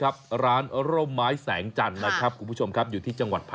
๑๐บาทได้ยังไงเป็นหม้อเป็นจานหรอ